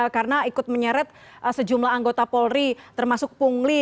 karena ikut menyeret sejumlah anggota polri termasuk punggli